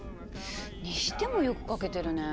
にしてもよく書けてるねえ。